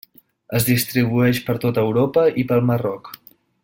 Es distribueix per tota Europa i pel Marroc.